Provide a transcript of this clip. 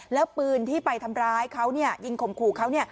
แล้วปืนที่ไปทำร้ายเขายิงข่มขู่เขา